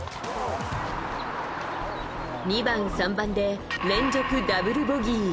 ２番、３番で連続ダブルボギー。